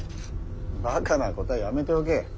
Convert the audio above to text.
ばかなことはやめておけ。